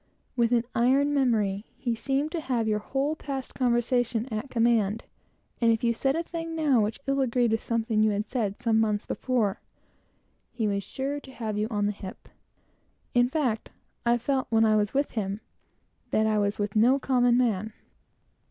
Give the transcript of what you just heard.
With an iron memory, he seemed to have your whole past conversation at command, and if you said a thing now which ill agreed with something said months before, he was sure to have you on the hip. In fact, I always felt, when with him, that I was with no common man.